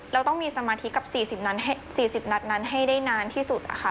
เราต้องมีสมาธิกับ๔๐นัดนั้นให้ได้นานที่สุดนะคะ